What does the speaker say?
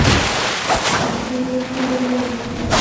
سختۍ د قدر وړ دي.